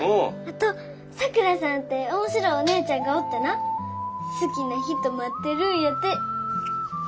あとさくらさんて面白いおねえちゃんがおってな好きな人待ってるんやて。